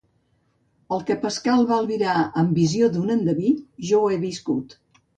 El que Pascal va albirar amb la visió d'un endeví, jo ho he viscut.